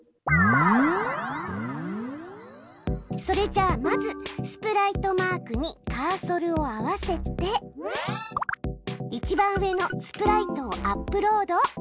それじゃまずスプライトマークにカーソルを合わせて一番上の「スプライトをアップロード」を押してみて！